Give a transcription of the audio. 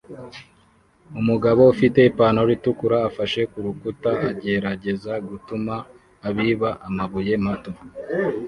Umugabo ufite ipantaro itukura afashe kurukuta agerageza gutuma abiba amabuye mato